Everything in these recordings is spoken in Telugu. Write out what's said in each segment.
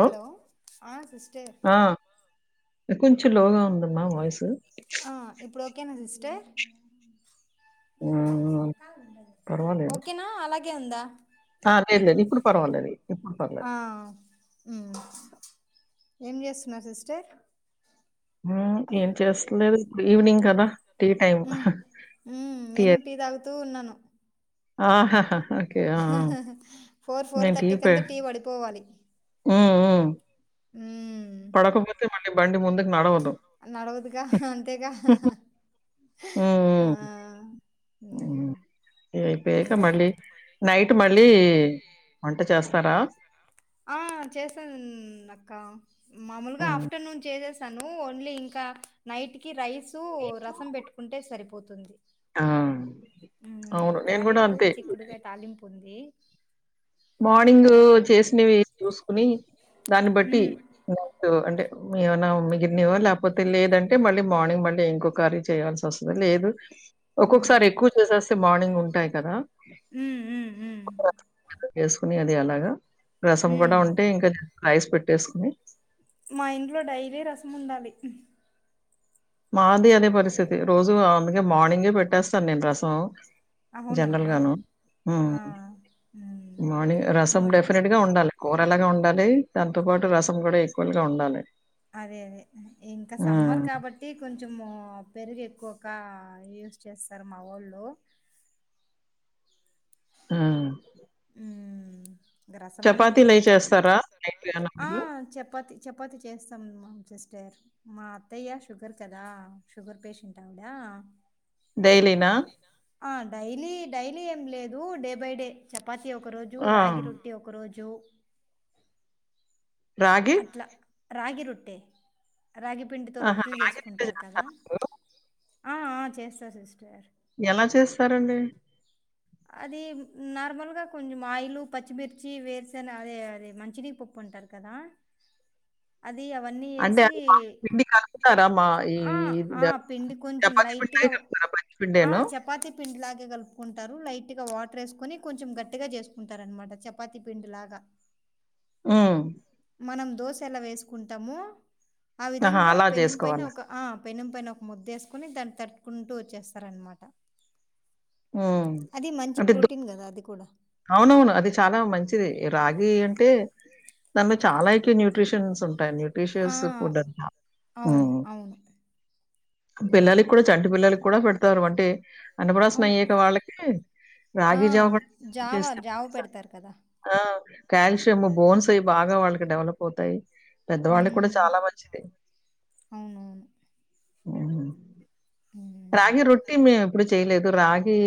హలో ఆ సిస్టర్ కొంచెంలోగా ఉందమ్మా వాయిస్ ఆ ఇప్పుడు ఓకేనా సిస్టర్ హ్మ్. పర్వాలేదు. ఓకేనా అలాగ్ గే ఉందా ఆ లేదు లేదు ఇప్పుడు పర్వాలేదు ఇప్పుడు పర్వాలే ఆ ఉమ్ ఏం చేస్తున్నారు సిస్టర్ హ్మ్ ఏం చేస్తలేదు ఇప్పు ఈవినింగ్ కదా టీ టైమ్ టీ తు ఉన్నాను ఆహాహా ఓకే. ఆ! ఆ! ఫోర్ ఫోర్ నేను థర్టీ పె కంతా టీ పడిపోవాలి హ్మ్ హ్మ్ హ్మ్ పడకపోతే మళ్లీ బండి ముందుకి నడవదు నడవదుగా అంతేగా ఉ ఆ ఉ ఉమ్ ఇవి అయిపోయాక ఇంకా మళ్ళీ నైట్ మళ్ళీ వంట చేస్త వస్తారా ఆ చేశాన్ అక్క మామూలుగా హ్మ్. ఆఫ్టర్నూన్ చేసేసి ను ఓన్లీ ఇంకా నైట్‌కి రైస్ సు రసం పెట్టుకుంటే సరిపోతు తుంది ఆ! అవును. నేను గూడా క్యారెట్ అంతే. చక్కుడుగా తాలింపు ఉంది ఇ మార్నింగ్ చేసిన చూసుకుని దాన్ని బట్టి హ్మ్. న అంటే ఎమనా మిగిలినివా లేకపోతే లేదంటే మళ్ళీ మార్నింగ్ మళ్ళీ ఇంకొకరీ చేయాల్సి వస్తుంది లేదు హ్మ్. ఒక్కొక్కసారి ఎక్కువ చేసేస్తే మార్నింగ్ ఉంటాయి కదా హ్మ్. హ్మ్. హ్మ్. చేసుకుని అది అలాగా రసం కూడా హ్మ్. ఉంటే ఇంకా రైస్ పెట్టేసుకుని మా ఇంట్లో డైలీ రసం ఉండాలి మాది అనే పరిస్థితి రోజు అందుకే మార్నింగే పెట్టేస్తాను నేను రసం అవునా? జనరల్ గాను హ్మ్ ఆ! హ్మ్. మని రసం హ్మ్. డెఫినెట్ గా ఉండాలి నల్లగా ఉండాలి దాంతో పాటు రసం కూడా ఈక్వల్ గా ఉండాలి అదే అదే ఇంకా సమ్మర్ హ్మ్. కాబట్టి టీ కొంచెం పెరుగు ఎక్కువగా యూస్ చేస్తారు మా ఊళ్ల్లో ఆ హ్మ్ రసం అనేది చపాతీలయి కొంచెం నొప్పే చేస్తారా నైట్ ఏమన్నా ఆ మీరు చేపతి చపాతి చేస్తాం మమ్ సిస్టర్ మా అత్తయ్య షుగర్ కదా షుగర్ పేషెంట్ ఆవిడా డైలీనా ఆ డైలీ డైలీ ఏం లేదు డే బై డే చేపాతి ఒక రోజు ఆ! రాగి రొట్టి ఒక రోజు జో రాగి రగి రొట్టె రాగి పిండితో ఆహా! రొట్టెలు రాగి రొట్టె చేసుకుంటారు చేస్తారు. కదా ఆ చేస్తా సిస్ ఎలా చేస్తారండి అది నార్మల్ గా కొంచెం ఆయిల్ పచ్చిమిర్చి వేరుసన అదే అది మంచిదీ పప్పు అంటారు కదా అది దీ అవన్ని అంటే ఏసి అది మామూలు పిండి కలుపుతారా? మా ఈ ఆ ఆ ద పిండి కొంచం చపాతీ పిండే లైట్గా కలుపుతారా పచ్చి ఆ పిండేను? చపాతి పిండి లాగె గలుపుకుం లైట్ గా వాటర్ వేసుకొని కొంచెం గట్టిగా చేసుకుంటారనమాట చపాతి పిండి లాగా ఊ మనం దోశ ఎలా వేసుకుంటామో ఆ ఆహా! విధంగా అలా పెనం పైన చేసుకోవాలా? ఒక ఆ పెనం పైన ఒక ముద్ద వేసుకొని దాన్ని తట్టుకుంటూ వచ్చేస్తారనమాట హ్మ్. అది మంచి అంటే దో ప్రోటీన్ కదా అది కూడా అవునవును అది చాలా మంచిది రాగి అంటే దానిలో చాలా కి న్యూట్రిషన్స్ ఉన్ ట ఆ న్యూట్ర్రిషిల్స్ ఫుడ్ అనమాట అవును అవును పిల్లలకి కూడా చంటి పిల్లలకి కూడా పెడతారు అంటే అవు అనబుడాసినయ్యక వాళ్ళకి ఆ రాగి జావ జావా చేస్తే జావ పెడతారు కదా ఆ కాల్షియం బోన్స్ అవి బాగా వాళ్ళకి డెవలప్ అవుతాయి పెద్దవాళ్ళకి కూడా హ్మ్ చాలా మంచిది అవునవును ఊమ్ హ్మ్. రాగి రొట్టి మేము ఎప్పుడు చేయలేదు రాగి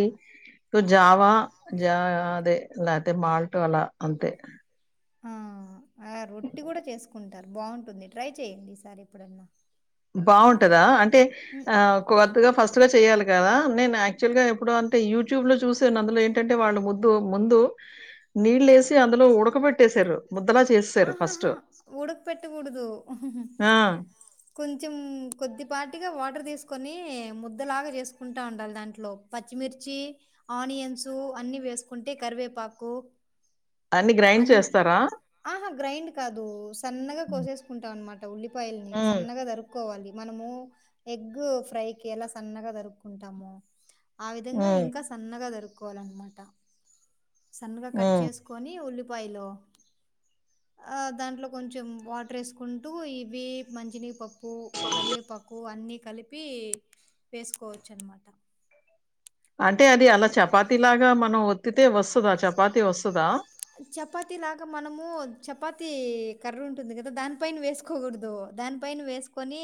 తో జావా జా అదే లేతే మాల్ట్ అలా అంతే ఆ ఆ రొట్టి కూడా చేసుకుం అంటారు బాగుంటుంది ట్రై చెయండి ఈసారి ఎప్పుడన్నా బాగుండ్ టదా అంటే హ్మ్. ఆ కొత్తగా ఫస్ట్ గా చెయాలి కదా నేను యాక్చువల్ గా ఇప్పుడు అంటే యూట్యూబ్ లో చూసాను అందులో ఏంటంటే వాళ్ళు ముద్దు ముందు నీళ్ళు వేసి టి అందులో ఉడకబట్టేశారు ముద్దలా చేసేసారు ఫస్ట్ ఆహాహా! ఉడకపెట్టకూడదు. ఆ కొంచెం కొద్దిపాటిగా వాటర్ తీసుకొని ముద్దలాగా చేసుకుంటా ఉండాలి దాంట్లో పచ్చిమిర్చి ఆనియన్స్ అన్ని వేసుకుంటే కరివేపాకు గ్రైండ్ అన్ని చేస్తారా? ఆహా గ్రైండ్ కాదు సన్నగా హ్మ్. కోసేసుకుంట అన్నమాట అట్ట ఉల్లిపాయల్ని హ్మ్. సన్నగా దరుగ్ కోవాలి మనము ఎగ్ ఫ్రైకి ఎలా సన్నగా దరుక్కుంటామో ఆ విధంగా హ్మ్. ఇంకా సన్నగా దరుకు కోవాలనమాట సన్నగా కట్ హ్మ్. చేస్ అనీ ఉల్లిపాయలు ఆ దాంట్లో కొంచెం వాటర్ ఏస్కుంటూ ఇవి మంజి నీ కొక్ ప్పు కరివేపాకు అన్ని కలిపి వేసుకోవచ్చు అనమాట అంటే అది అలా చపాతిలాగా మనం ఒత్తితే వస్ త్తద చపాతి వస్ చపాతి లాగా మనము చపాతి కర్రుంటుంది కదా దాన్ పైన వేసుకోకూడ్దు దాన్ పైన వేసుకొని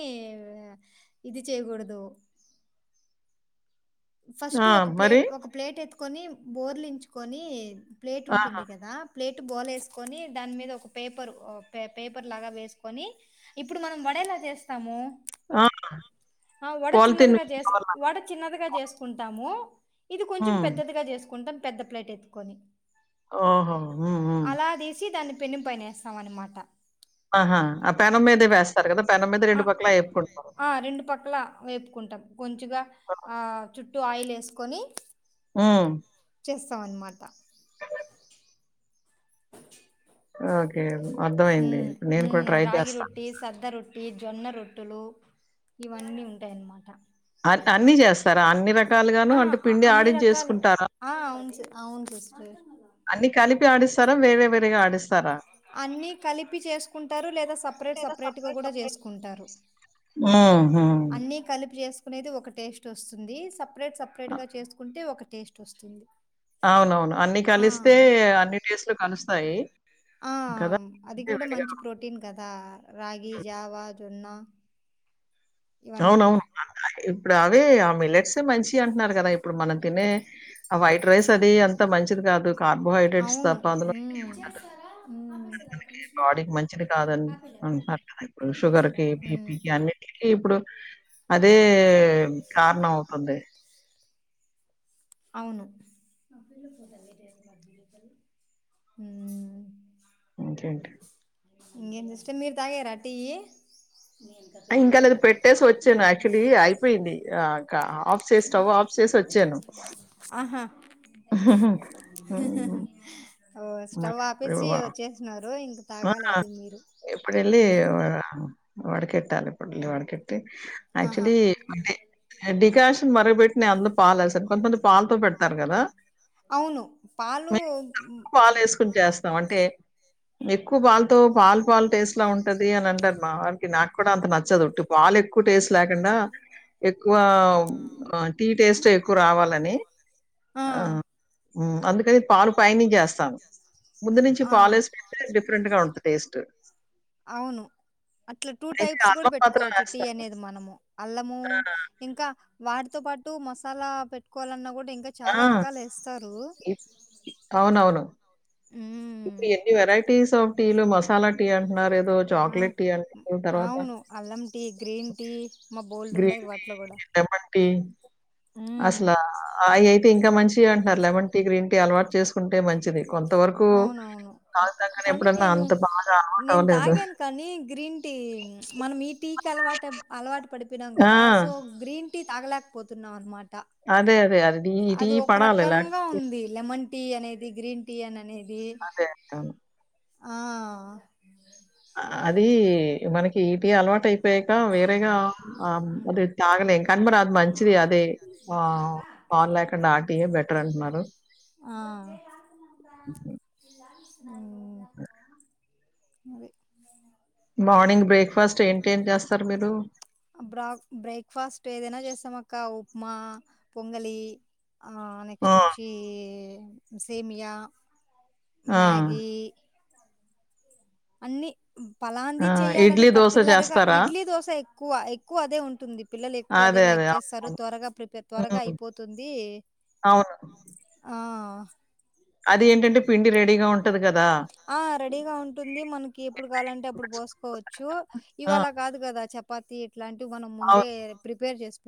ఇది చేయకూడ్దు. ఫస్ట్ ఆ! ఒక మరి? ప్లేట్ ఒక ప్లేట్ ఎత్త్ కొని బోర్లించుకొని ప్లేట్ ఆహా! ఉంటుంది కదా ప్లే ట్ బొలేస్కొని దాన్ మీద ఒక పేపర్ ఒ పే పేపర్ లాగా వేస్కొని ఇప్పుడు మనం వడేలా చేస్తాము. ఆ! ఆ వడ పాలిథీన్ చిన్నదిగా జేస్, వల్ల. వడ చిన్నదిగా జేస్ ఉంటాము. ఇది కొంచెం హ్మ్. పెద్దదిగా జేసుకుంటం. పెద్ద ప్లేట్ ఎత్త్కొని ఓహో, హు హు పెన్నిం పైనేస్సాం అనమాట. ఆహా! ఆ పెనం మీదే వేస్తారు కదా! పెనం మీద ఆ పక్కలా ఏపుకుంటారు. ఆ రెండు పక్క్ల వేపుకుంటాం కొంచుగ ఆ ఆయిల్ ఏస్కొని ఉ చేస్సం అన్మాట. ఓకే అర్థం అయింది ఉమ్ నేను ఉమ్ కూడా ట్రై రాగి చేస్సా. రొట్టి సద్ద రొట్టి జొన్న రొట్టులు ఇవన్నీ ఉంటాయన్మాట అట్ట అన్ని చేస్సారా అన్నిర ఆ అఅన్ని రకాలు ఆ ఔన్స్ ఔన్ సిస్టర్, అన్నీ కలిపి ఆడిస్తారా? వేరే వేరేగా ఆడిస్తారా? అన్ని కలిపి చేసుకుంటారు లేదా సప్రేట్ లేదా సప్రేట్ గ సెపరేట్ గుడా సెపరేట్ జేస్కుంటారు, హ్మ్. హ్మ్. అన్ని కలిపి జేస్ కునేది ఒక టేస్ట్ వస్సుంది స ప్రేట్ సప్రేట్ అ గా చేస్కుంటే ఒక టేస్ట్ వస్తుంది. అవునవును అన్ని ఆ కలిస్తే అన్ని టేస్ట్లు కలుస్తాయి. ఆ కదా! అంటే అదికూడా విడిగా మంచి ప్రోటీన్ కదా రాగి జావా వున్న ఇవన్నీ కూడా అవునవును. ఇప్పుడు అవే ఆ మిల్లెట్సు మంచియి అంట్నారు కదా ఇప్పుడు మనం తినే, ఆ వైట్ రైస్ అది అంత మంచిది కాదు. కార్బోహైడ్రేట్స్ ఔను తప్ప హు హు తనికి బాడీకి మంచిది కాదన్ అన్ అంటలిప్పుడు షుగర్ కి, మ్మ్. బిపీకి అన్నిటి కి ఇప్పుడు అదే కారణమవుతుంది అవును ఒకే ఇంకేం చే మీరు తాగరా టీ ఇంకా లేదు పెట్టేసి వచ్చాను యాక్చువల్లీ అయిపోయింది ఆఫ్ చేసి ఆ, స్టవ్ ఆఫ్ చేసి వచ్చాను. ఆహా హ్మ్. ఓ మరి స్టవ్ ఇప్పుడు ఆపేసి వ వచేసినారు ఇంకా ఆ ఎప్పుడెల్లి వాడకెట్టాలి పల్లి వాడకెట్ట ఆహా యాక్చువల్లీ డికాషన్ మరగ పెట్టి అంద పాలస పాలతో పెడతారు కదా అవును. పాలు హ్మ్. మేము పాలు వేసుకుని చేస్తాం అంటే ఎక్కువ పాల్తో పాల్ పాల్ టేస్ట్ లా ఉంటది అని అంటారు. మా వారికి నాకు కూడా అంత నచ్చదుట్టి పాలు ఎక్కువ టేస్ట్ లేకుండా ఎక్కువ ఆ టీ టేస్ట్ ఎక్కువ రావాలని ఆ అందుకని పాలు పైన వేస్తా ముందు నుంచి ఆ! పాలేసు రెంట్గా ఉంటుది టేస్ట్ అవును అట్లా టూ అయితే టైప్స్ కూడా అల్లం మాత్రం పెట్టుకోవచ్చు టీ వేస్తాను అనేది మనము అల్లము ఆ, ఇంకా వాటితో పాటు మసాలా పెట్టుకోవాలన్నా కూడా ఇంకా ఆ, చాలా రకాలు వేస్తారు ఇప్- అవునవును ఇప్పుడు ఎన్ని వెరైటీస్ ఆఫ్ టీలు మసాలా టీ ఏదో ఆ! చాక్లెట్ టీ, అంటు తర్వాత అవును. అల్లం టీ, గ్రీన్ టీ అమ్మ బోలెడుండయి గ్రీన్ టీ, వాటిలో గూడా. లెమన్ టీ హ్మ్. అసలు ఇంకా మంచి అంటారు లేమన్ టీ గ్రీన్ టీ అలవాటు చేసుకుంటే మంచిది. కొంత వరకు అవును బాగా నిను అలవాటవ్వలేదు. తాగాను కానీ అలవా అలవాటు పడిత పినం ఆ! కదా సో గ్రీన్ టి తగలాక పోతున్నావ మాట అదే అదే అద న టీ పడలే లేక రకంగా ఉంది లెమన్ టీ అనేది గ్రీన్ టీ అనేది అదే అ ఆ అది మనకి ఈటీ అలవాటు అయి బ వేరేగా ఆ ఉమ్, అది ఇ తగలేకా కన్మరాదు మంచిది అదే ఆ పల్లెక నాట్ ఎ బెటర్ అంటున్నారు ఆ ఉమ్ మో మార్నింగ్ బ్రేక్ఫాస్ట్ ఏంటి ఏం చేస్తారు మీరు బ్రా బ్రేక్ఫాస్ట్ ఏదైనా చేస్తాం అక్క ఉప్మా పొంగలి ఆ ఆ! నెక్స్ట్ వచ్చీ సేమియా ఆ! మ్యాగీ అన్ని ఆ! ఫలాంది చెయ్యాలని ఇడ్లీ, దోస పర్టికులర్ గా చేస్తారా? ఇడ్లీ దోశ ఎక్కువ ఎక్కువ అదే ఉంటుంది పిల్లలు ఎక్కువ అదే లైక్ చేస్తారు త్వరగా ప్రిపేర్ త్వరగా హ్మ్. అయిపోతుంది అవును. ఆ ఆ అది ఏంటంటే పిండి రెడీగా ఉంటది కదా ఆ రెడీగా ఉంటుంది మనకి ఎప్పుడు కావాలంటే అప్పుడు పోసుకోవచ్చు ఆ! ఇవాలా కాదు క ద చపాతి ఇట్లాంటివి మనం ముందే అవును. ప్రిపేర్ చేసు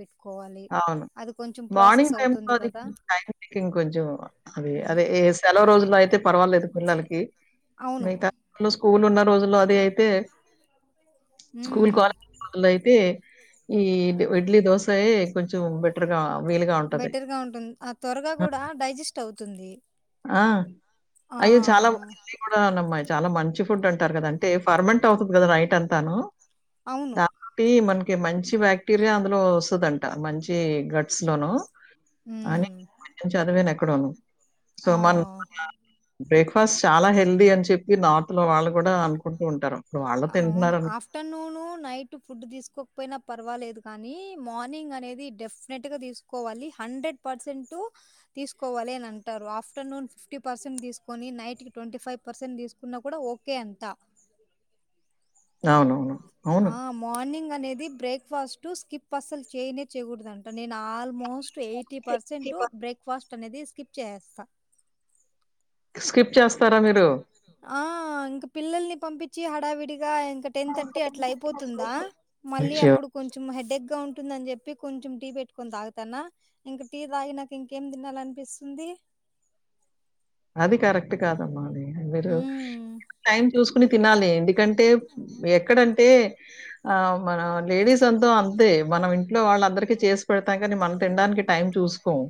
అవును ప్రాసెస్ మార్నింగ్ టైమ్ లో అవుతుంది అది కదా! టైం టేకింగ్ కొంచం అది హ్మ్. అదే సెలవు రోజుల్లో అయితే పర్వాలేదు పిల్లలకి ఇ అవును. మిగ్త [unintelligible] స్కూల్ ఉన్న రోజులు అ అయితే స్కూల్ హ్మ్. కాలేజ్ లో అయితే ఈ ఇడ్లి దోస ఏ బెటర్ గా ఉంటుంది ఆ త్వరగా ఆ! కూడ డైజెస్ట్ అవుతుంది ఆ ఆ! అయ్యో చాల [unintelligible] నమ్మయి చాలా మంచి ఫుడ్ అంటారు కదా అంటే ఫర్మంట్ అవుతుంది కదా నైట్ అంతాను అవును. తప్పి మన్ కె మంచి బాక్టీరియా అందులో వస్తుందంట మంచి గట్స్ లోను అని హ్మ్. నేను చదివాను ఎక్ కొడోను సోమన్ ఆ! అలా బ్రేక్ ఫస్ట్ చాలా హెల్దీ అని చెప్పి నా లో వాళ్ళు కూడా అనుకుంటూ ఉంటారు ఇప్పుడు వాళ్ళు అవును తింటున్నారని ఆఫ్టర్నూను నైట్ ఫుడ్ తీసుకోకపోయినా పర్వాలేదు కానీ మార్నింగ్ అనేది డెఫినెట్గా తీసుకోవాలి హండ్రెడ్ పర్సెంట్ తీసుకోవాలి అని అంటారు ఆఫ్టర్నూన్ ఫిఫ్టీ పర్సెంట్ తీసుకొని నైట్ క ట్వంటీ ఫైవ్ పర్సెంట్ తీసుకున్న కూడా ఓకే అంట అవునవును అవును. ఆ మార్నింగ్ అనే ఇది బ్రేక్ఫాస్ట్ స్కిప్ అస్సలు చేయనే చేయకూడదు అంట నేను ఆల్మోస్ట్ ఎయిటీ పర్సెంట్ బ్రేక్ఫాస్ట్ కనేది స్కిప్ చేసేస్త స్కిప్ చేస్తారా మీరు ఆ ఇంకా పిల్లల్ని పంపించి హడావిడి ఇ ఇంక టెన్ థర్టీ అట్లా అయిపోతుందా మళ్ళి అయ్యో! అప్పుడు కొంచెం హెడేక్ గా ఉంటుందని చెప్పి కొంచెం టీ పెట్టుకొని తాగుతానా ఇంక టీ తాగి నాక ఇంకేం తినాల అనిపిస్తుంది అది కరెక్ట్ టు కాదమ్మా అది మీరు హ్మ్. టైం చూసు్ తినాలి కంటే ఎక్కడంటే ఆ మన లేడీస్ అంతా అంతే మనం ఇంట్లో వాళ్ళ అందరిక చేసి పెడతాం కానీ మనం తినడానికి టైం చూసుకోం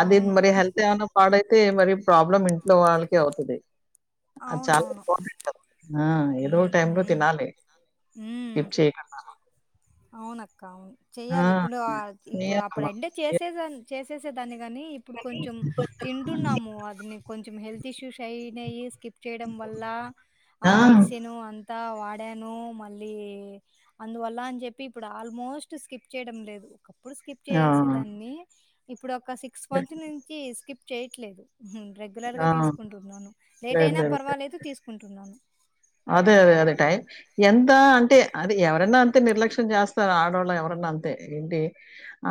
అది అవును. మరి హల్తే ఏమన్న పాడ తె మరి ప్రాబ్లం ఇంట్లో వాళ్ళకి అవుతది అది చాలా అవునవును. ఇంపార్టెంట్ ఏదో ఒక హ్మ్. టైం లో హ్మ్. తినాలి హ్మ్. స్కిప్ చేయ్యకుండా అవునక్క అవును చెయాలి ఇప్పుడు్ ఇప్పుడు అప్పుడు చేయాలమ్మ. అంటే ఎ చేసేసాను చేసేసే దాన్ని కాని ఇప్పుడు కొంచం తింటున్నాము అది కొంచం హెల్ తిష్యూ శైనయిస్ కిప్ చేయడం వల్ల ఆ మెడిసిను అన్ అంత వాడ్యాను మళ్ళీ అందువల్ల అన్ జెప్పి ఇప్పుడు ఆల్మోస్ట్ స్కిప్ చేయడం లేదు ఒకప్పుడు స్కిప్ ఆ! చేసేదాన్ని ఇప్పుడు ఒక్ ఒక సిక్స్ మంచ్ నుంచి స్కిప్ చేయట్లేదు ఉహు రెగ్లర్ గా ఆ! తీసుకుంటున్నాను లేట్ లేదు, అయినా లేదు. పర్వాలేదు తీ తీసుకుంటున్నాను అదే అదే అదే టైం ఎంతా అంటే అది ఎవరన్నా అంతే నిర్లక్ష్యం జ్యాస్తర్ ఆడోళ్ళ ఎవరన్నా అంతే ఏంటి ఆద్